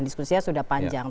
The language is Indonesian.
diskusinya sudah panjang